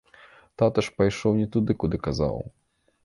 Тата ж пайшоў не туды, куды казаў.